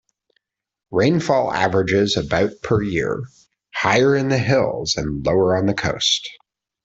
Rainfall averages about per year, higher in the hills and lower on the coast.